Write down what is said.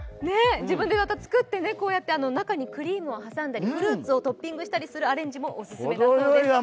自分で作って、中にクリームを挟んでフルーツをトッピングしたりするアレンジもオススメだそうです。